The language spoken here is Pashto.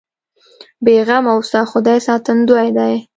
بې غمه اوسه خدای ساتندوی دی.